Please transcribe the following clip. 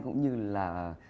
cũng như là